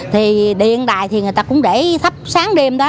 thì điện đài thì người ta cũng để thắp sáng đêm đó